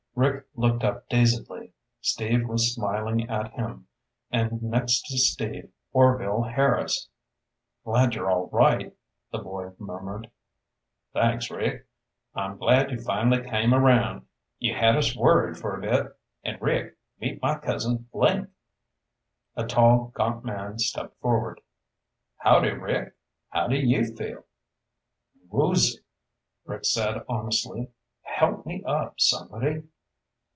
Rick looked up dazedly. Steve was smiling at him, and next to Steve, Orvil Harris! "Glad you're all right," the boy murmured. "Thanks, Rick. I'm glad you finally came around. You had us worried for a bit. And, Rick, meet my cousin Link." A tall, gaunt man stepped forward. "Howdy, Rick? How do you feel?" "Woozy," Rick said honestly. "Help me up, somebody."